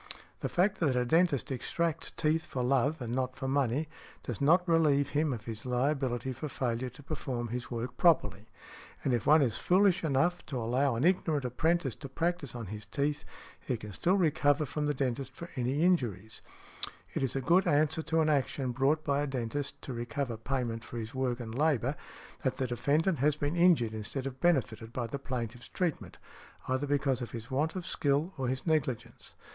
The fact that a dentist extracts teeth for love and not for money does not relieve him of his liability for failure to perform his work properly ; and if one is foolish enough |167| to allow an ignorant apprentice to practise on his teeth, he can still recover from the dentist for any injuries . It is a good answer to an action brought by a dentist to recover payment for his work and labor, that the defendant has been injured instead of benefited by the plaintiff's treatment, either because of his want of skill or his negligence.